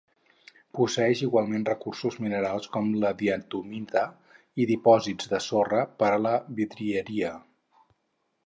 Posseeix igualment recursos minerals, com la diatomita, i dipòsits de sorra per a la vidrieria.